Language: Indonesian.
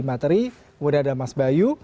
materi kemudian ada mas bayu